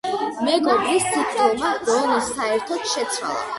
მეგობრის სიკვდილმა რონი საერთოდ შეცვალა.